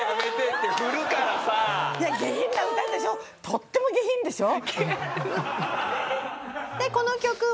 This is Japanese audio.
とっても下品でしょ？